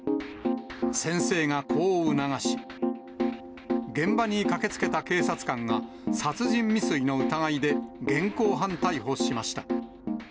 先生がこう促し、現場に駆けつけた警察官が、殺人未遂の疑いで現行犯逮捕しました。